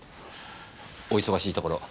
お忙しいところどうも。